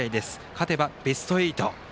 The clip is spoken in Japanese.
勝てばベスト８。